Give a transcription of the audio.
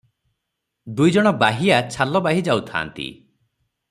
ଦୁଇ ଜଣ ବାହିଆ ଛାଲ ବାହି ଯାଉଥାନ୍ତି ।